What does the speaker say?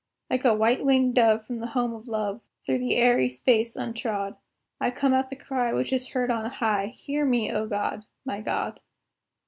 Like a white winged dove from the home of love, Through the airy space untrod, I come at the cry which is heard on high, "Hear me, O God! my God!"